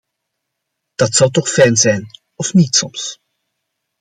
Dat zou toch fijn zijn, of niet soms?